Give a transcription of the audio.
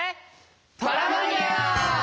パラマニア！